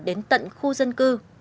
đến tận khu dân cư